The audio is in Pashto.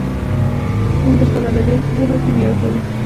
موږ د خپلو ادیبانو په پوهه او فکر ویاړو.